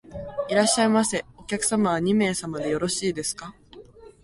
いらっしゃいませ。お客様は二名様でよろしいですか？